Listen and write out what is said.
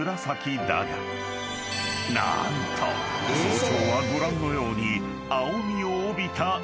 ［何と早朝はご覧のように］